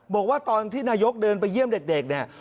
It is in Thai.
บอกว่าตอนที่นายกเดินไปเยี่ยมเด็กเนี่ย